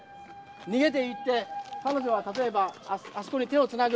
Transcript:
逃げていって彼女は例えばあそこに手をつなぐ。